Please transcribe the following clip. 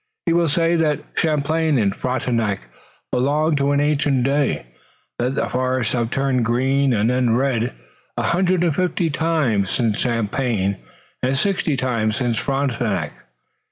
He will say that Champlain and Frontenac belonged to an ancient day, that the forests have turned green and then turned red a hundred and fifty times since Champlain and sixty times since Frontenac.